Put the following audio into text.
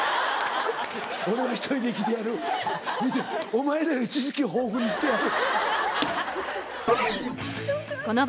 俺は１人で生きてやるお前らより知識豊富に生きてやる。